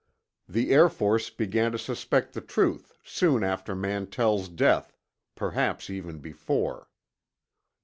The Air Force began to suspect the truth soon after Mantell's death—perhaps even before.